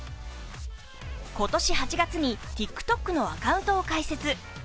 今年８月にＴｉｋＴｏｋのアカウントを開設。